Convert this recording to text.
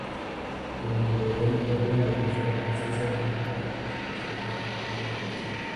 Durante la Edad Moderna, la universidad francesa había vivido una situación de continuo declive.